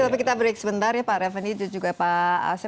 tapi kita break sebentar ya pak reveni juga pak asya